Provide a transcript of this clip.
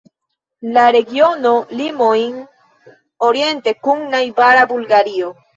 La regiono limojn oriente kun najbara Bulgario.